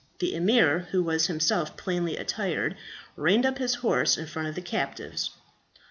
The emir, who was himself plainly attired, reined up his horse in front of the captives.